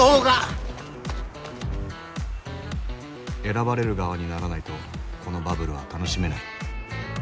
選ばれる側にならないとこのバブルは楽しめない。